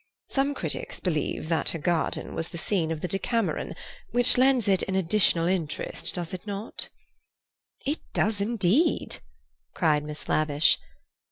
Some critics believe that her garden was the scene of The Decameron, which lends it an additional interest, does it not?" "It does indeed!" cried Miss Lavish.